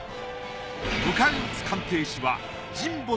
迎え撃つ鑑定士は。